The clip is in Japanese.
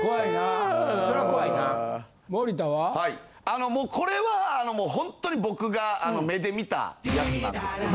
あのもうこれはホントに僕が目で見たやつなんですけど。